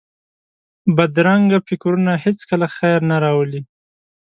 بدرنګه فکرونه هېڅکله خیر نه راولي